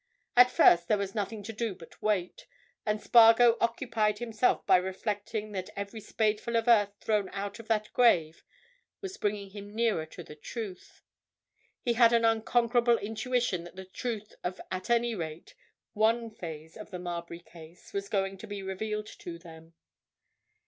At first there was nothing to do but wait, and Spargo occupied himself by reflecting that every spadeful of earth thrown out of that grave was bringing him nearer to the truth; he had an unconquerable intuition that the truth of at any rate one phase of the Marbury case was going to be revealed to them.